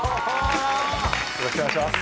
よろしくお願いします。